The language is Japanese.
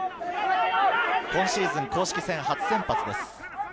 今シーズン公式戦、初先発です。